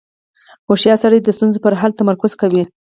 • هوښیار سړی د ستونزو پر حل تمرکز کوي.